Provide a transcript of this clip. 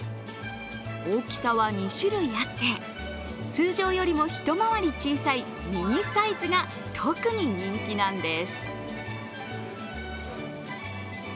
大きさは２種類あって通常よりも一回り小さいミニサイズが特に人気なんです。